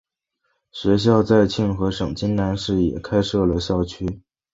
学院在庆和省金兰市也开设了校区。